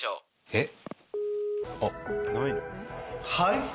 えっ？